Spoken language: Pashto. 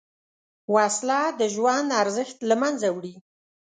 وسله د ژوند ارزښت له منځه وړي